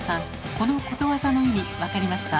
このことわざの意味分かりますか？